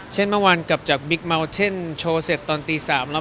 เช่นเมื่อวานกลับจากบิ๊กเมาส์เช่นโชว์เสร็จตอนตี๓แล้ว